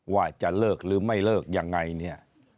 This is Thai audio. ว่าจะเลิกหรือไม่เลิกยังไงเนี่ย